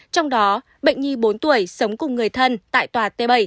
trong đó bệnh nhi bốn tuổi sống cùng người thân tại tòa t bảy